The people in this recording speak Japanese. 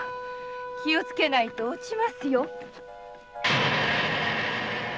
気をつけないと落ちますよ。